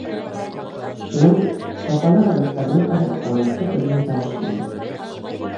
Шунан сапалағы дуҫтарына ҡарап ҡыуаныслы көлгән тауыш менән: